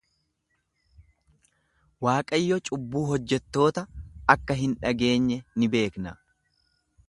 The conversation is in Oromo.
Waaqayyo cubbuu hojjettoota akka hin dhageenye ni beekna.